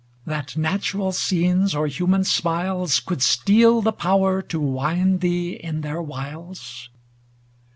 That natural scenes or human smiles Could steal the power to wind thee in their wiles